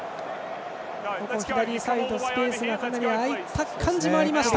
左サイド、スペースがかなり空いた感じもありましたが。